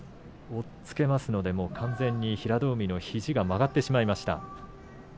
押っつけますので平戸海の肘が完全に曲がってしまいました。